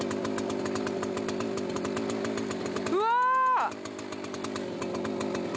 うわ！